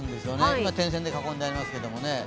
今、点線で囲んでありますが。